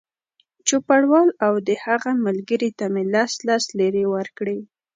چوپړوال او د هغه ملګري ته مې لس لس لېرې ورکړې.